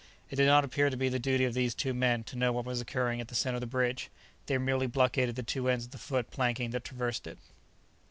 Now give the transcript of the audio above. It did not appear to be the duty of these two men to know what was occurring at the center of the bridge; they merely blockaded the two ends of the foot planking that traversed it.